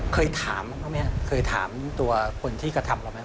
เคยถามตัวคนที่กระทำเราไหม